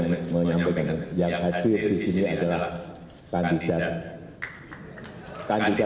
presiden menyampaikan hati hati di tahun dua ribu dua puluh empat nanti bisa saja dari kampung hipmi yang memiliki kandidaan